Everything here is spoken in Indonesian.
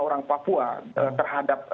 orang papua terhadap